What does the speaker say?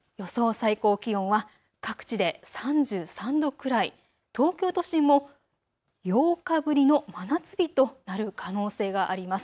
最高気温は各地で３３度くらい、東京都心も８日ぶりの真夏日となる可能性があります。